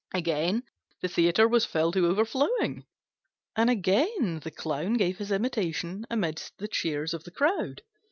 Again the theatre was filled to overflowing, and again the Clown gave his imitation amidst the cheers of the crowd.